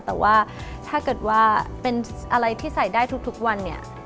แต่ว่าถ้าเกิดว่าเป็นอะไรที่ใส่ได้ทุกวันเนี่ย